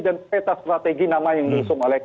dan peta strategi yang nama yang diusung oleh